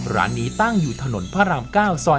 ร้านนี้ตั้งอยู่ถนนพระราม๙ซอย